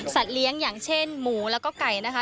สัตว์เลี้ยงอย่างเช่นหมู่และก็ไก่นะคะ